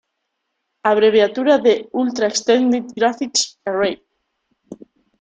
Abreviatura de "Ultra eXtended Graphics Array".